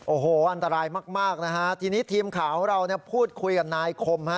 โอ้โหอันตรายมากนะฮะทีนี้ทีมข่าวของเราพูดคุยกับนายคมฮะ